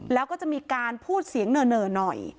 แล้วก็จะมีการพูดเสียงเหน่อหน่อย